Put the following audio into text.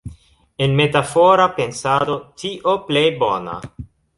En metafora pensado "tio plej bona".